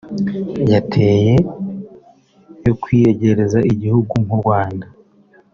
yateye yo kwiyegereza igihugu nk’u Rwanda